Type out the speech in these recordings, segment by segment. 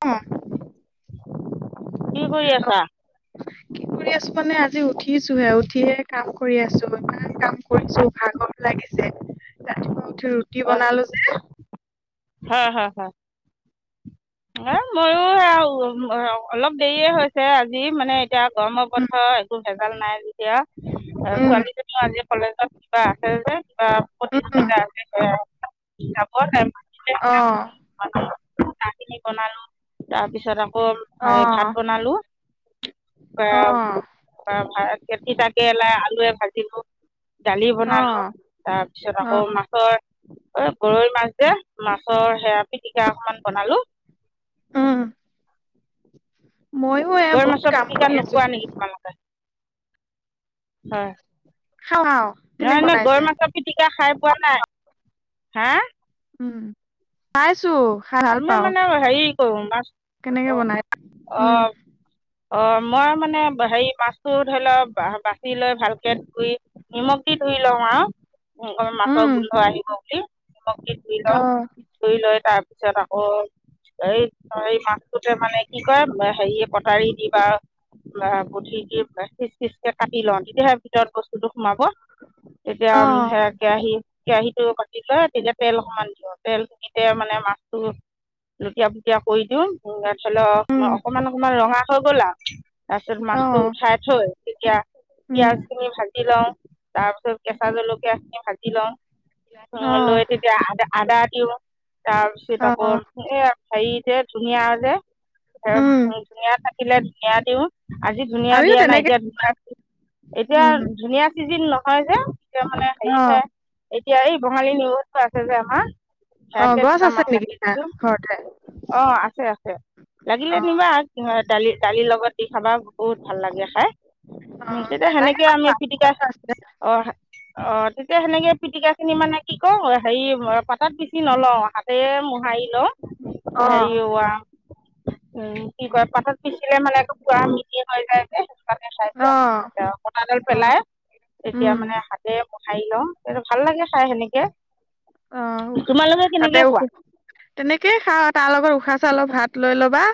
অ [unintelligible] কি কৰি আছা? কি কৰি আছো মানে আজি উঠিছোহে, উঠিয়ে কাম কৰি আছো, ইমান কাম কৰিছো ভাগৰ লাগিছে। ৰাতিপুৱা উঠি ৰুটি অ', বনালো যে হয় হয় হয়। এ মইো অলপ দেৰিয়ে হৈছে আজি মানে এতিয়া গৰম উম বন্ধ একো ভেজাল নাই যেতিয়া উম ছোৱালীজনীও আজি কলেজত কিবা আছে যে কিবা উম প্ৰতিযোগিতা আছে যাব তাই। মাতিলে অ' চিনি বনালো তাৰ পিছত আকৌ অ হ ভাত বনালো এ অ ভা তিতা কেৰেলা টোৱে ভাজিলো দালি অ বনালো, তাৰপিছত অ আকৌ মাছৰ গৰ মাছ যে মাছৰ সেয়া পিটিকা অকমান বনালো ও' গৰৈ মাছৰ পিটিকা আছো নোখোৱা নেকি তোমালোকে? হয়। খাওঁ খাওঁ কেনেকে নহ নহয় বনাইছে গৰৈ মাছৰ পিতিকা খাই পোৱা নাই? হা উম পাইছো, খাই ভাল পাওঁ। সৰু মাছ। কেনেকে বনাই, উম অ' মই মানে হেৰি মাছটো ধৰি লওঁক বাচি লৈ ভালকে ধুই নিমখ দি ধুই লওঁ আৰু। মাছৰ উম গোন্ধ আহিব বুলি নিমখ দি ধুই অ লওঁ, ধুই লৈ তাৰ তাৰপিছত আকৌ এই এই মাছটোতে মানে কি কয় হেৰি কটাৰী দি বা বা বঠি দি পিচ পিচ কে কাটি লওঁ তেতিয়াহে ভিতৰত বস্তু সোমাব তেতিয়া অ হে কেৰাহী কেৰাহীত টো পাতি লৈ তেতিয়া তেল অকমান দিয়ক, তেলখিনিতে মানে মাছ লুটিয়া পুটীয়া কৰি দিওঁ ধৰি লওক উম অকমান অকমান ৰঙা হৈ গ'ল আৰু তাৰপিছত অ মাছটো উঠাই থৈ, তেতিয়া উম পিয়াজ খিনি ভাজি লওঁ, তাৰপিছত কেঁচা জলকীয়াখিনি ভাজি লওঁ উম অ লৈ তেতিয়া আদা আদা দিওঁ, তাৰ ত অ আকৌ এ হেৰি যে ধুনীয়া যে উম ধুনীয়া থাকিলে ধুনীয়া দিওঁ আজি ধুনীয়া আমিও দিয়া নাই তেনেকে এতিয়া ধুনীয়া এতিয়া উম ধুনীয়া চিজন নহয় যে। তেতিয়া মানে হেৰি অ খায় এতিয়া এই বঙালী [unintelligible] আছে যে আমাৰ অ হেয়াকে গছ আছে দুটামান নেকি তাৰ ঘৰতে অ', আছে আছে লাগিলে অ নিবা দালি দালিৰ লগত দি খাবা বহুত ভাল লাগে খাই। অ তেতিয়া নালাগে সেনেকে আমি পিটিকা অ', অ', তেতিয়া সেনেকে পিটিকা খিনি মানে কি কওঁ হেৰি পাতাত পিচি নলওঁ হাতে মোহাৰি লও অ হেৰি উম, কি কয় পাতত পিচিলে মানে একে পুৰা মিহি হৈ যায় যে। চাই অ দিয়া এ কটাডাল অ পেলাই এতিয়া উম মানে হাতে মোহাৰি লওঁ ভাল লাগে খাই সেনেকে তোমালোকে কেনেকে খোৱা? তেনেকেইে খাওঁ, তাৰ লগত উখোৱা চাউলৰ ভাত লৈ ল'বা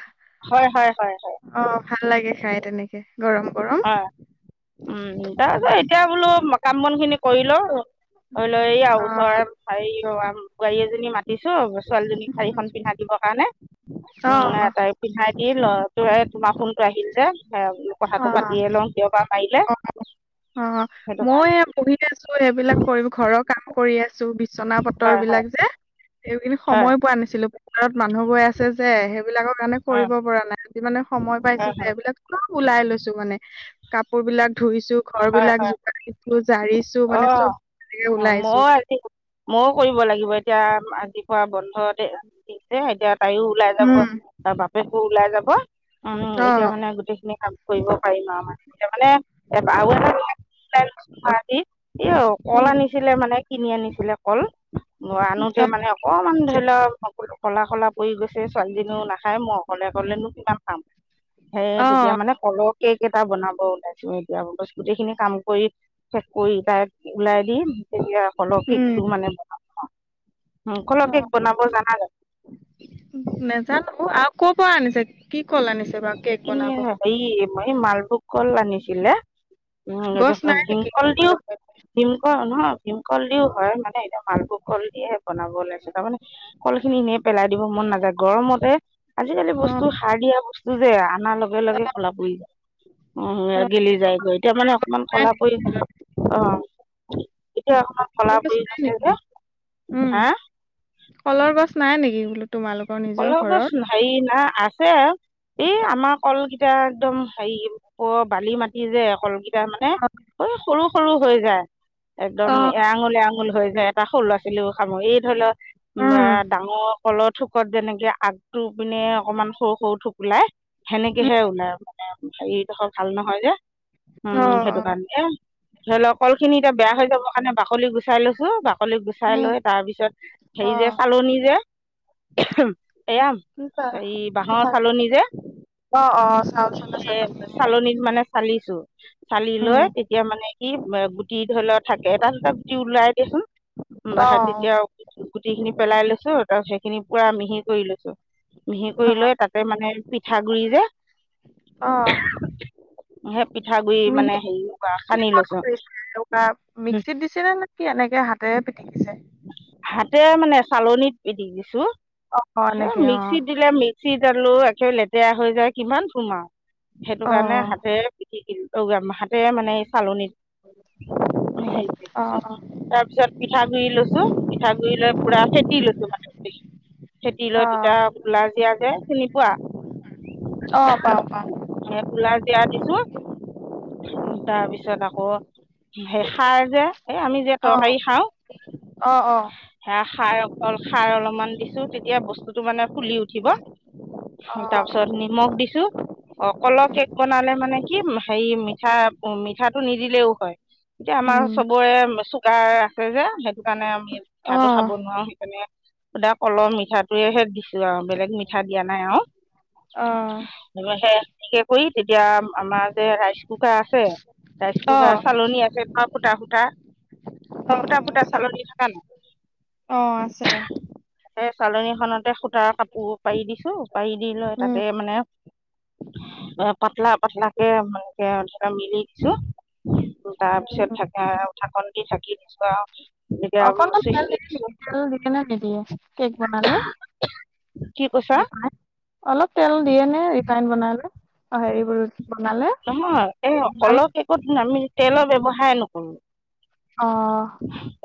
হয় হয় হয় হয় অ ভাল লাগে খাই তেনেকে। গৰম গৰম অ' উম তাৰপিছত এতিয়া বোলো কাম বন খিনি কৰি লওঁ লৈ এই আৰু অ ওচৰৰে বোৱাৰী এজনী মা দিছো, ছোৱালীজনীক শাৰীখন পিন্ধাই দিবৰ কাৰণে অ উম তাই পিন্ধাই দি ল তোমাৰ ফোনটো আহিল যে অ কথাটো পাতি কিয়বা পায়িলে। অ অ' মই পঢ়ি আছো, সেইবিলাক কৰি ঘৰৰ কাম কৰি আছো, বিছনা হয় এইটো হয় যে এইকিদিন হয় সময়ে পোৱা নাছিলো পথাৰত মানুহ গৈ আছে যে সেইবিলাকৰ কাৰণে হয় কৰিব পৰা নাই। আজি মানে সময় পাইছো হয় যে, হয় এইবিলাক অলপ ওলাই লৈছো মানে কাপোৰ বিলাক ধুইছো ঘৰ হয় বিলাক জোকাৰিছো জাৰিছো মানে অঁ চব তেনেকে অ উলাইছোঁ। ময়ো আজি ময়ো কৰিব লাগিব এতিয়া আজিৰপৰা বন্ধ দিছে এতিয়া তাইও ওলাই যাব উম তাৰ বাপেকো ওলাই যাব উম, অ এতিয়া মানে গোটেই খিনি কাম কৰিব পাৰিম আৰু মানে মানে [unintelligible] এ অকল উম আনিছিলে মানে কিনি আনিছিলে কল আনোতে অ মানে অকমান ধৰি ল [unintelligible] কলা কলা পৰি গৈছে ছোৱালীজনীও নাখায় মই অকলে অকলেনো কিমান খাম। সেই অ তেতিয়া মানে কলৰ কেক এটা বনাব উলাইছোঁ এতিয়া, গোটেই খিনি কাম কৰি শেষ কৰি তাইক ওলাই দি তেতিয়া কলৰ উম কেকটো মানে বনাম। কলৰ কেক বনাব অ', জানা জানো নাজানো আৰু কৰপৰা আনিছে? কি কল আনিছে বাৰু কেক বনাব [unintelligible] এই মালভোগ কল আনিছিলে। উম, গছ নাই নেকি ভীমকল দিও তোমালোকৰ ভীমকল নহয় ভীমকল দিও হয় মানে এতিয়া মালভোগ কল দিয়ে বনাব উলাইছোঁ তাৰমানে কল খিনি এনেই পেলাই দিব মন নাযায় গৰমতে আজিকালি অ বস্তু সাৰ দিয়া বস্তু যে, আনা লগে লগে কলা পৰি যায়। উম, অ গেলি যায়গৈ এতিয়া মানে অকমান নাই কলা নেকি পৰি অ, এতিয়া অকমান কলৰ কলা গছ পৰি নাই গৈছে নেকি যে। উম হা? কলৰ গছ নাই নি? কলৰ গছ হেৰি নাই আছ এই আমাৰ কলকেইটা একদম হেৰি প' বালি মাটি যে কল মানে অ সৰু সৰু হৈ যায় একদম অ এৰাঙুল এৰাঙুল হৈ যায় এটা সৰু ল'ৰা ছোৱালী ছিলো খাম, এই ধৰি লওঁ উম, আ, ডাঙৰ কলত কত যেনেকে আগটো পিনে অকমান সৰু সৰু থুপোলাই উম, সেনেকেহে ওলাই মানে হেৰিডোখৰ ভাল নহয় যে। উম, অ', সেইটো অ'। কাৰণে ধৰি ল' কল খিনি এতিয়া বেয়া হৈ যাব কাৰণে বাকলি গুচাই লৈছো বা বাকলি গুচাই উম, লৈ তাৰ পিছত হেৰি যে অ', চালনী যে এয়া কি কৰা এই বাঁহৰ পিঠা চালনী যে। অ', অ', চাউল চলা এ চালনী চালনীত মানে চালিছো চালি উম। লৈ তেতিয়া মানে কি গুটি ধৰি লও থাকে এটা দুটা গুটি ওলাই দিয়চোন অ', তেতিয়া আৰু। গুটি খিনি পেলাই লৈছো তাৰপিছ সেইখিনি পুৰা মিহি কৰি লৈছো। মিহি কৰি অ', লৈ তাতে মানে পিঠা গুৰি যে অ', সেই পিঠাগুৰি মিহি মানে হেৰি কৰা সানি কিহত লৈছো। কৰিছে এনেকুৱা মিক্সিত দিছিল নে নে কি এনেকে হাতে। হাতে মানে চালনীত দি দিছো অ', অ', স এনেকে অ'। মিক্সিত দিলে মিক্স। চিট আলো একে লেতেৰা হৈ যায় কিমান সুমা আৰু সেইটো অ', কাৰণে হাতেৰে পকিলো। মাহাতে মানে চালনীত সেই অ', তাৰপিছত পিঠাগুৰি লৈ পিঠাগুৰি লৈ পুৰা ফেটি লৈছো মানে খেতি লৈ অ', তেতিয়া পোলাজিয়া যে চিনি পোৱা? অ', পাওঁ পাওঁ। ধৰা তোলাৰ যিয়া দিছো তাৰপিছত আকৌ সেই পিটিকি খাৰ যে এ আমি যে অ', তৰকাৰী খাওঁ। অ', অ', অ'। সেয়া খাই অকল খাৰ অলপমান দিছো তেতিয়া বস্তুটো মানে ফুলি উঠিব। তাৰপিছত নিমখ দিছো। অকলৰ কেক বনালে মানে কি হেৰি মিঠা মিঠাটো নিদিলেও হয়। এতিয়া আমাৰ উম। চবৰে চুগাৰ আছে যে সেইটো কাৰণে আমি। অ', ঠা খাব নোৱাৰো সেইকাৰণে। সুদা কলৰ মিঠটোয়েহে দিছো আৰু বেলেগ মিঠা দিয়া নাই আৰু। অ'। সে কৰি তেতিয়া আমাৰ যে ৰাইচ কু কুকাৰ আছে ৰাইচ কুকাৰ চালনী আছে এ সূতা সূতা গুটা অ', ফুটা চালৰ থাক ন অ' আছে। সেই চালনীখনতে সূতাৰ কাপোৰ পাৰি দিছো পাৰি দি লৈ উম। তাতে মানে। এ পাতলা পাতলা কে মানে মিলি দিছো। তাৰ পিছত থাকে ধাকন দি থাকি দিছো আৰু। এনেকে অকনমান চুইচ ভাল দি দে দিছো ভাল দিবে নিদিয়ে কেক বনালে। কি কৈছা অলপ তেল দিয়ে নে ৰিফাইন বনাইে অ' হেৰিব। নহয় এই অলপ একো আমি তেলৰ ব্যৱসায় নকৰো। অ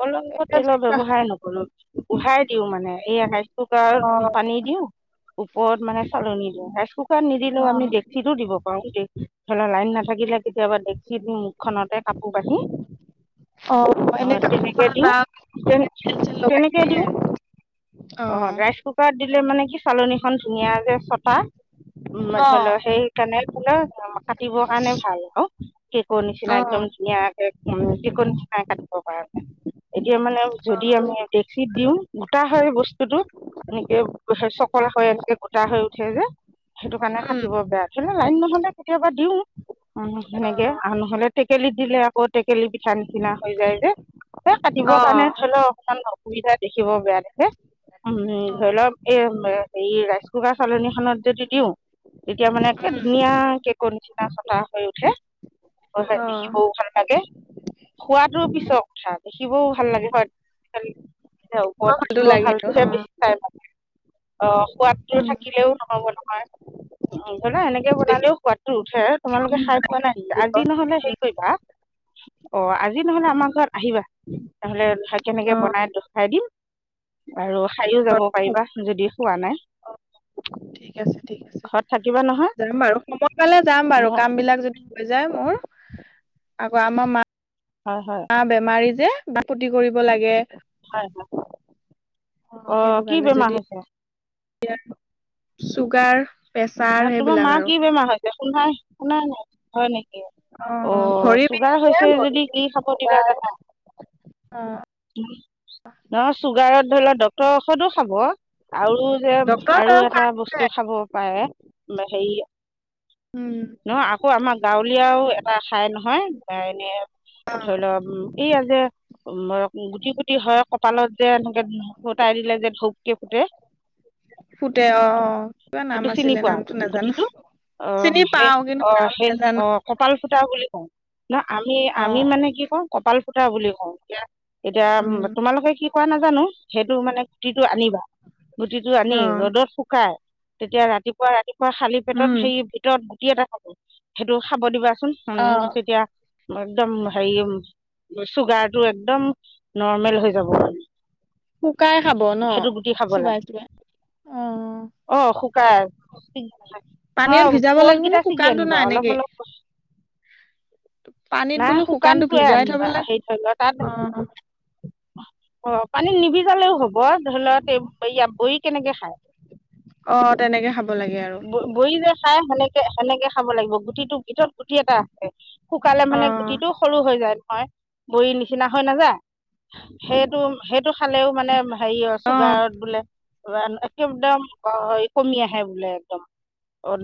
অলপ এতিয়া যে তেলৰ কা- ব্যৱসায় নকৰো। উহাই দিও মানে এই আকাাইশ টকাৰ অ পানী দিও। ওপৰত মানে চালনি দিওঁ ৰাইচ কুকাৰ নিদিলেও অ আমি ডেক্চিতো দিব পাৰো। এৰ লাইন নাথাকিলে কেতিয়াবা দেখছি দিম মুখখনতে কাপোৰ কঢ়ি। অ' তেনেকে দিওঁ [unintelligible] অ' ৰাইচ কুকাৰত দি মানে কি চালনীখন ধুনীয়া যে চটা উ ন ধৰি লও সেই কেনেল ফ কাটিবৰ কাৰণে ভাল আৰু কেকৰ নিচিনা অ একদম ধুনীয়াকে। [unintelligible] এতিয়া মানে যদি আমি ডেকচিত দিওঁ গোটা হয় বস্তুটো এনেকে স হৈ এনেকে গোটা হৈ উঠে যে সেইটো কাৰণে উম কাটিব বেয়া উ লাইন নহ'লে। কেতিয়াবা দিও অ সেনেকে আৰু নহলে। টেকেলি দিলে আকৌ টেকেলি পিঠা নিচিনা হৈ যায় যে কাটিবৰ অ কাৰণে ধৰি ললেও অপমান ন। সুবিধা দেখিব বেয়া দেখে উম অ ধৰি লওক এ। হে ৰাইচ কুকাৰ চালনীখনত যদি দিও তেতিয়া মানে একে উম ধুনীয়া। কেকৰ নিচিনা চটা হৈ উঠে অ দেখিবও ভাল লাগে। খোৱাতো পিছৰ কথা দেখিবও ভাল লাগে হয়। এয়া ওপৰত ভালটো দেখিব লাগে আৰু ভালকহে অ বেছি খাই অ'। সোৱাদটো উম থাকিলেও নহব নহয় উ জলা এনেকে দেখিব বনালেও সোৱাদ। [unintelligible] তোমালোকে ভাল খাই পোৱা নাহিলা লাগিব। আদি নহলে হেৰি কৰিবা। অ', আজি নহ'লে আমাৰ ঘৰত আহিবা, তেনেলোক কেনেকে অ বনাই দেখাই দিম। আৰু খায়ও যাব পাৰিবা যদি খোৱা নাই ঠিক আছে ঘৰত থাকিবা নহয় সেফালে যাম বাৰু মোৰ কাম বিলাক যদি হৈ যায় মোৰ আকৌ আমাৰ মা হয় হয় মা বেমাৰী যে, খতি কৰিব লাগে। হয়, অ', কি বেমাৰ হৈছে? য়াৰ চুগাৰ প্ৰেছাৰ তোমাৰ মা সেইবিলাক আৰু কি বেমাৰ হৈছে শুধাই শুনাই নাই হয় নেকি। অ' ভৰি বিষ চুগাৰ যে হৈছে ভৰি যদি কি বিষ খাব দিবা চুগাৰ দাদা নহ চুগাৰত। ধৰি লও ডক্তৰৰ ঔষধো খাব আৰু যে ডক্টৰৰ আৰু দৰৱ খাই এটা আছে বস্তু খাব পাৰে। [unintelligible] উম নহ আকৌ আমাৰ গাঁৱলীয়াও এটা ঠাই নহয় এনে। অ ধৰি লওক এইয়া যে উ গুটি গুটি হয় কপালত যে এনেকে তাই। ছিলে যে ধপক ফুতে ফুটে অ অ কিবা নাম সেইটো আছিলে চিনি পোৱা নামটো নাজানো গুটিটো অ', চিনি মাহে পাও কিন্তু অ', নাম সেই নাজানো অ', কপাল ফুতা বুলি কওঁ, ন আমি অ আমি মানে কি কৰো কপাল ফুটা বুলি কওঁ এতিয়া এতিয়া উম তোমালোকে কি কোৱা নাজানো সেইটো মানে গুটিটো আনিবা গুটিটো আনি অ ৰ'দত শুকাই তেতিয়া ৰাতিপুৱা ৰাতিপুৱা খালি পেটত উম সেই ভিতৰত গুটি এটা সেইটো খাব দিবা। [unintelligible] ন অ উ তেতিয়া একদম হেৰি চুগাৰটো একদম নৰ্মেল হৈ যাব শুকাই আৰু। খাব ন সেইটো গুটি খাব চোবাই চোবাই লাগে। অ অ', শুকাই পানীত অ', ভিজাব লাগিব নে পূৰঠকেইটা শুকানটো আনিবা নাই অলপ এনেকে অলপ পানীত না বোলো শুকানটো শুকানটোৱে ভিজাই থব আনিবা লাগে সেই থৰি লোৱা তাত অ অ', পানীত নিবিজালেও হ'ব, ধৰি লওক এই ইয়াত বৰি কেনেকে খায়? অ তেনেকে খাব লাগে আৰু ব বৰি যে খাই সেনেকে। এনেকে খাব লাগিব গুটিটো ভিতৰত গুটি এটা আছে শুকালে অ মানে গুটিটো সৰু হৈ যায় নহয়। বৰি নিচিনা হৈ নাযায়। সেইটো সেইটো খালেও মানে হেৰি অ চুগাৰত বোলে একেদম কমি আহে বোলে একদম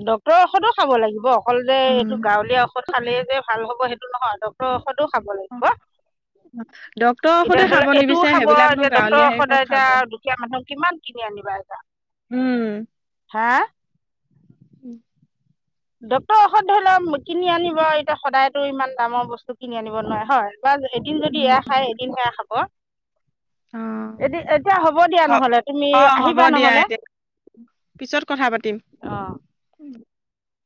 ড্ক্তৰৰ ওৰতো খাব লাগিব অকল যে এইটো উম গাঁৱলীয়া ঔষধ খালেই যে ভাল হ'ব সেইটো নহয় ডক্টৰৰ ঔষধ খাব লাগিব। ডক্তৰৰ এতিয়া ঔষধে ধৰি খাব লোৱা এইটোও নিবিচাৰে খাব সেইবিলাকনো এতিয়া ড্ক্তৰৰ গাঁৱলীয়া হেৰি ক'ত সদায় খাব এতিয়া দুখীয়া মানুহ কিমান কিনি আনিবা এটা। উম। হা। উম। ডক্টৰ ঔষধ ধৰি ল' কিনি আনিব এতিয়া সদায়তো ইমান দামৰ বস্তু কিনি আনিব নোৱাৰে হয়। বা এদিন যদি এয়া খাই এদিন সেয়া খাব অ এতি এতিয়া হ'ব দিয়া নহ'লে তুমি অ হ'ব আহিবা দিয়া নহ'লে। এতিয়া পিছত কথা পাতিম। অঁ